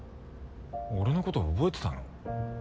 俺のこと覚えてたの？